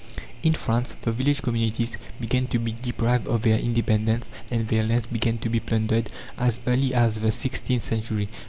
In France, the village communities began to be deprived of their independence, and their lands began to be plundered, as early as the sixteenth century.